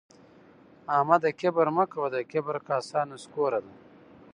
احمده کبر مه کوه؛ د کبر کاسه نسکوره ده